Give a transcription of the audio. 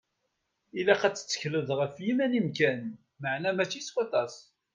Ilaq ad tettekleḍ f yiman-im kan, meɛna mačči s waṭas.